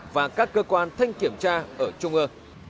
và các cơ quan thanh kiểm tra ở chỗ này